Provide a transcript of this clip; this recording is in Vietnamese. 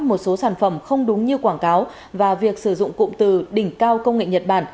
một số sản phẩm không đúng như quảng cáo và việc sử dụng cụm từ đỉnh cao công nghệ nhật bản